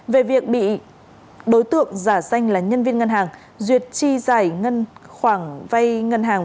về việc bị đối tượng giả danh là nhân viên ngân hàng duyệt chi giải khoảng vay ngân hàng